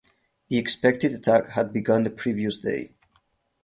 The expected attack had begun the previous day.